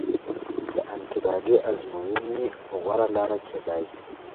د انټي باډي ازموینې غوره لاره کیدای شي.